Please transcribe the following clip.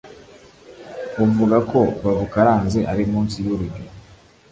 uvuga ko babukaranze ari munsi y'urujyo